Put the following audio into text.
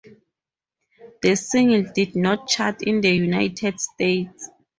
The single did not chart in the United States.